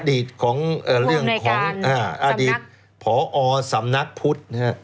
อดีตของเอ่อเรื่องของอ่าอดีตพอสำนักพุทธใช่ไหม